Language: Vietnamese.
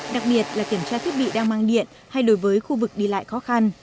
đặc biệt là kiểm tra thiết bị đang mang điện hay đối với khu vực đi lại khó khăn